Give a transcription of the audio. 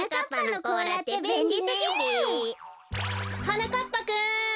はなかっぱくん！